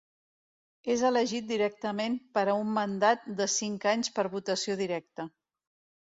És elegit directament per a un mandat de cinc anys per votació directa.